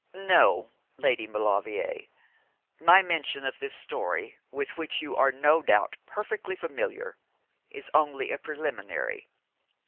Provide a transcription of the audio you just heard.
'No, Lady Maulevrier, my mention of this story, with which you are no doubt perfectly familiar, is only a preliminary.